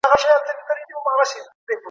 دا لاره تر ټولو لنډه ده.